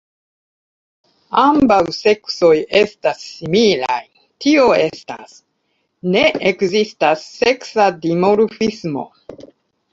Ambaŭ seksoj estas similaj, tio estas, ne ekzistas seksa dimorfismo.